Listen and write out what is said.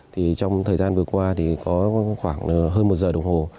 thì trong thời gian vừa qua thì có khoảng hơn một giờ đồng hồ